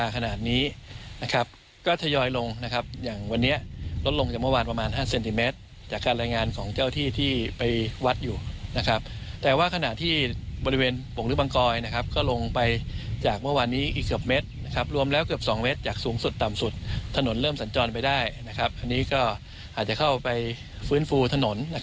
ก็อาจจะเข้าไปฟื้นฟูถนน